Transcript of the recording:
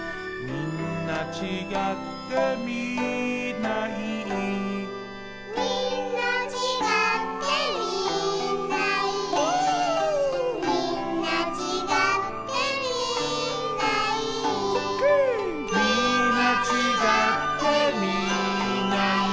「みんなちがってみんないい」